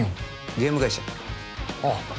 ゲーム会社ああ